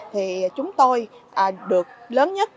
thì chúng tôi được lớn nhất